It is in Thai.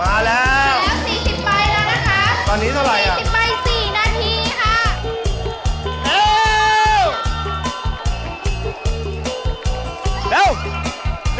อ้าวอ้าวอ้าวโอ้วโอ้วโอ้ว